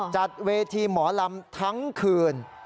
จัดเวทีหมอลำทั้งคืน